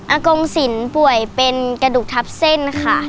กงศิลป์ป่วยเป็นกระดูกทับเส้นค่ะ